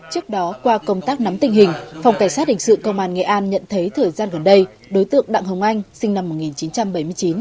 trước đó qua công tác nắm tình hình phòng cảnh sát hình sự công an nghệ an nhận thấy thời gian gần đây đối tượng đặng hồng anh sinh năm một nghìn chín trăm bảy mươi chín